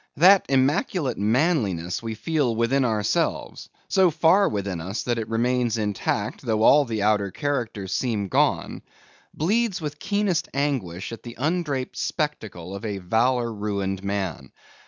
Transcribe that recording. That immaculate manliness we feel within ourselves, so far within us, that it remains intact though all the outer character seem gone; bleeds with keenest anguish at the undraped spectacle of a valor ruined man.